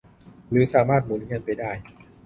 หรือสามารถหมุนเงินไปได้